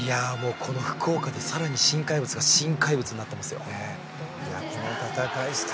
福岡で更に新怪物が新怪物になってますよ。